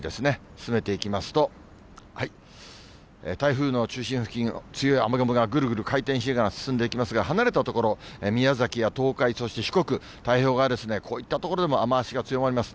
進めていきますと、台風の中心付近、強い雨雲がぐるぐる回転しながら進んでいきますが、離れた所、宮崎や東海、そして四国、太平洋側ですね、こういった所でも雨足が強まります。